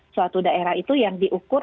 suatu daerah itu yang diukur